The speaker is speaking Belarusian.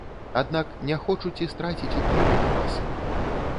Аднак не хочуць і страціць уплыву на масы.